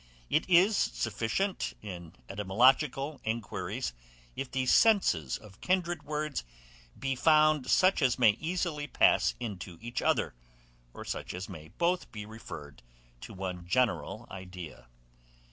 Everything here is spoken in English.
It is sufficient, in etymological enquiries, if the senses of kindred words be found such as may easily pass into each other, or such as may both be referred to one general idea.